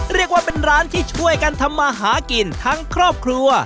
เรียกว่าเป็นร้านที่ช่วยกันทำมาหากินทั้งครอบครัว